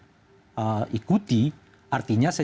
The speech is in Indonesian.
artinya secara negatif kita harus ikut dia ya